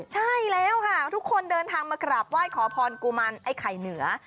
ใช่แล้วค่ะทุกคนเดินทางมากราบไหว้ขอพรกุมารไอ้ไข่เหนือ